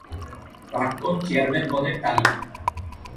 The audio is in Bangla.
প্রাক্তন চেয়ারম্যানগণের তালিকা